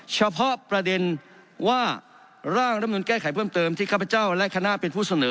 เฉพาะประเด็นว่าร่างรัฐมนุนแก้ไขเพิ่มเติมที่ข้าพเจ้าและคณะเป็นผู้เสนอ